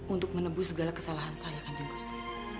untuk menebus segala kesalahan saya kan jeng gusti